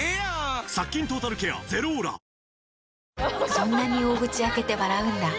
そんなに大口開けて笑うんだ。